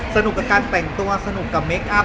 สนุกกับการแต่งตัวสนุกกับเมคอัพ